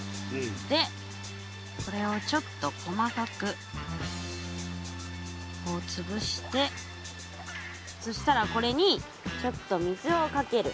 でこれをちょっと細かくつぶしてそしたらこれにちょっと水をかける。